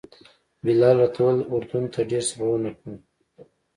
بلال راته وویل اردن ته ډېر سفرونه کړي.